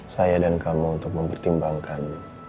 saya dan kamu untuk mempertimbangkan